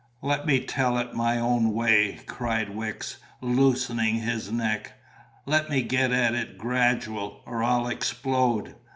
"Let me tell it my own way," cried Wicks, loosening his neck. "Let me get at it gradual, or I'll explode.